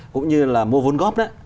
cũng như là mua vốn góp đó